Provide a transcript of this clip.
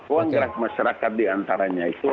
uang gerak masyarakat diantaranya itu